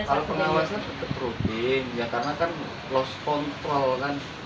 kalau pengawasan tetap rutin ya karena kan lost control kan